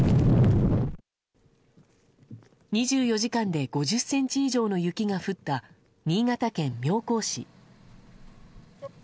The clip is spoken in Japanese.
２４時間で、５０ｃｍ以上の雪が降った新潟県妙高市。